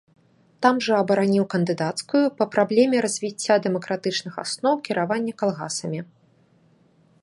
Там жа абараніў кандыдацкую па праблеме развіцця дэмакратычных асноў кіравання калгасамі.